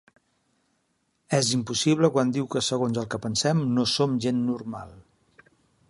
És impossible quan diu que segons el que pensem no som gent normal.